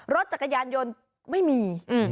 รถจักรยานยนต์ไม่มี